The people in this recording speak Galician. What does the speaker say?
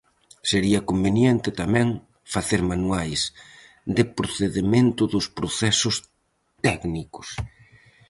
Sería conveniente, tamén, facer manuais de procedemento dos procesos técnicos.